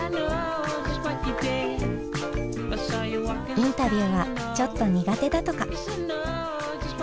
インタビューはちょっと苦手だとか。